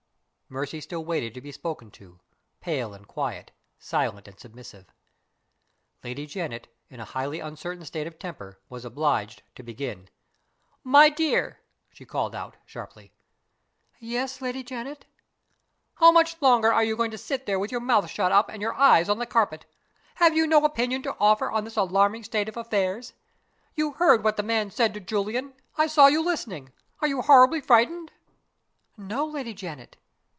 Mercy still waited to be spoken to; pale and quiet, silent and submissive. Lady Janet in a highly uncertain state of temper was obliged to begin. "My dear!" she called out, sharply. "Yes, Lady Janet." "How much longer are you going to sit there with your mouth shut up and your eyes on the carpet? Have you no opinion to offer on this alarming state of things? You heard what the man said to Julian I saw you listening. Are you horribly frightened?" "No, Lady Janet."